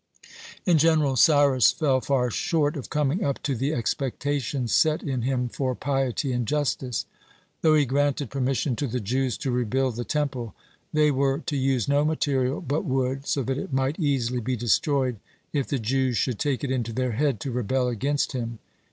(6) In general Cyrus fell far short of coming up to the expectations set in him for piety and justice. Though he granted permission to the Jews to rebuild the Temple, they were to use no material but wood, so that it might easily be destroyed if the Jews should take it into their head to rebel against him.